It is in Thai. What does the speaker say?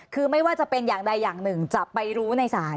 คือไม่ว่าจะเป็นอย่างใดอย่างหนึ่งจะไปรู้ในศาล